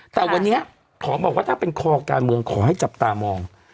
แต่วันนี้ขอบอกว่าถ้าเป็นคอการเมืองขอให้จับตามอง